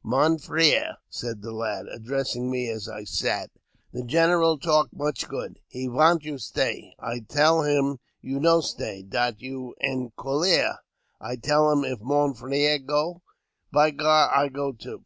'* Mon frere," said the lad, addressing me as I sat, " the general talk much good. He vant you stay. I tell him you no stay ; dat you en colere. I tell him if mon frere go, by gar, I go too.